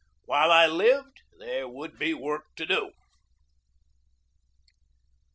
While I lived there would be work to do.